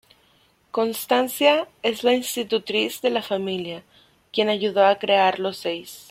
Constancia es la institutriz de la familia, quien ayudó a crear los seis.